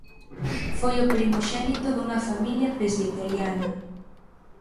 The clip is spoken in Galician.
Foi o primoxénito dunha familia presbiteriana.